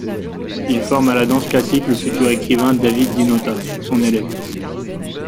Il forme à la danse classique le futur écrivain David di Nota, son élève.